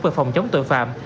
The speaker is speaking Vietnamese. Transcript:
về phòng chống tội phạm